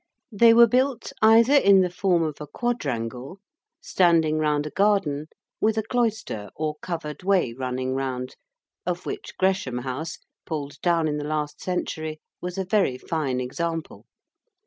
They were built either in the form of a quadrangle, standing round a garden, with a cloister or covered way running round, of which Gresham House, pulled down in the last century, was a very fine example.